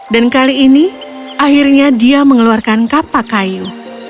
dan kali ini akhirnya dia mengeluarkan kapak kayu